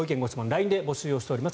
ＬＩＮＥで募集をしております。